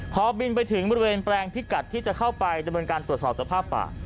พอบินไปถึงบริเวณแปลงพิกัดที่จะเข้าไปดำเนินการตรวจสอบสภาพป่า